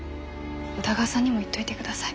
宇田川さんにも言っといてください。